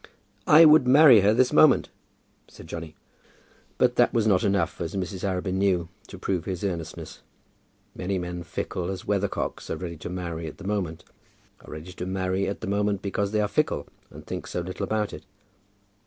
"I would marry her this moment," said Johnny. But that was not enough, as Mrs. Arabin knew, to prove his earnestness. Many men, fickle as weathercocks, are ready to marry at the moment, are ready to marry at the moment, because they are fickle, and think so little about it.